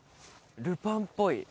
ルパンっぽい。